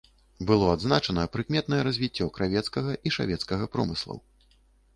Было адзначана прыкметнае развіццё кравецкага і шавецкага промыслаў.